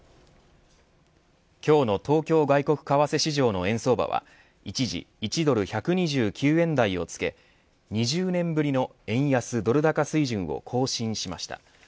今日の東京外国為替市場の円相場は一時１ドル１２９円台をつけ２０年ぶりの円安ドル高水準を更新しました。